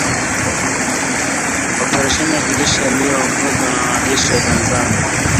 oparesheni ya kijeshi yaliyoongozwa na wanajeshi wa Tanzania